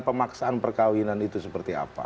pemaksaan perkawinan itu seperti apa